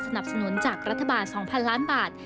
สนับสนุนจากรัฐบาล๒๐๐๐๐๐๐บาท